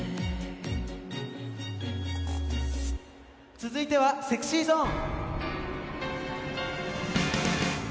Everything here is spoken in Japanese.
続いてはＳｅｘｙＺｏｎｅ！